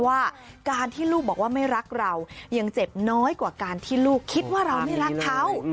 ว่าการที่ลูกบอกว่าไม่รักเรายังเจ็บน้อยกว่าการที่ลูกคิดว่าเราไม่รักเขา